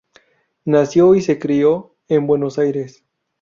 Nació y se crió en Buenos Aires.